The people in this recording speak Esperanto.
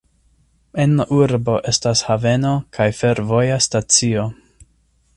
En la urbo estas haveno kaj fervoja stacio.